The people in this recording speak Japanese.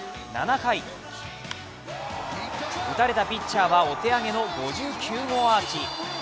７回、打たれたピッチャーはお手上げの５９号アーチ。